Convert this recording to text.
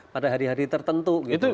pada hari hari tertentu gitu